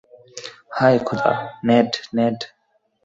হায় খোদা, নেড, নেড।